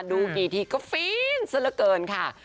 ดูกี่ทีก็ฟินซะละเกินค่ะ